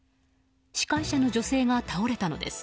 司会者の女性が倒れたのです。